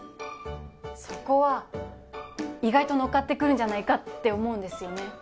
そこは意外と乗っかってくるんじゃないかって思うんですよね